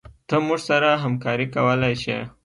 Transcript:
ته موږ سره همکارې کولي شي